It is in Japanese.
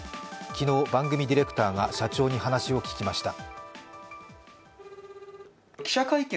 昨日、番組ディレクターが社長に話を聞きました。